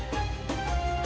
jangan kembali setelah itu